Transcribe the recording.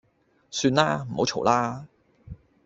算啦，唔好嘈啦